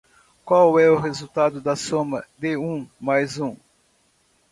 Qual é o resultado da soma de um mais um?